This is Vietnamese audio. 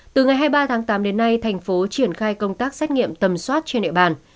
từ ngày hai mươi ba tháng tám đến nay thành phố triển khai công tác xét nghiệm tầm soát trên địa bàn